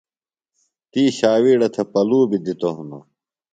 تی ݜاوِیڑہ تھےۡ پلُوۡ بیۡ دِتوۡ ہِنوۡ۔